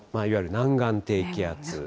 いわゆる南岸低気圧。